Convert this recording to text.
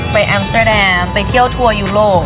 แอมสเตอร์แดมไปเที่ยวทัวร์ยุโรป